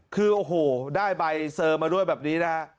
คือโอ้โหได้ใบเซอร์มาด้วยแบบนี้นะฮะ